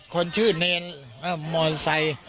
คนชื่อเนรมอเตอร์ไซค์